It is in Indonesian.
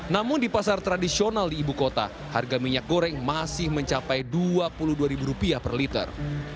namun di pasar tradisional di ibu kota harga minyak goreng masih mencapai rp dua puluh dua per liter